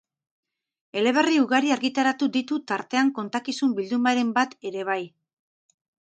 Eleberri ugari argitaratu ditu, tartean kontakizun bildumaren bat ere bai.